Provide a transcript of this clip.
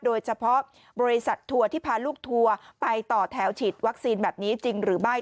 โดยเฉพาะบริษัททัวร์ที่พาลูกทัวร์ไปต่อแถวฉีดวัคซีนแบบนี้จริงหรือไม่